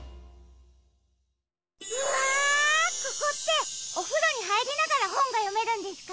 うわここっておふろにはいりながらほんがよめるんですか？